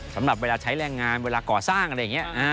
สำหรับเวลาใช้แรงงานเวลาก่อสร้างค่ะ